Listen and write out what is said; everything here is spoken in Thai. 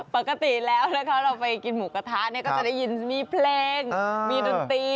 ปกติแล้วนะคะเราไปกินหมูกระทะเนี่ยก็จะได้ยินมีเพลงมีดนตรี